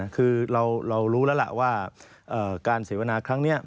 คือเรารู้แล้วล่ะว่าการเสวนาครั้งนี้